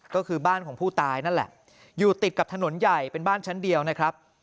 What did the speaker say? ก็คือบ้านของผู้ตายนั่นแหละอยู่ติดกับถนนใหญ่เป็นบ้านชั้นเดียวนะครับ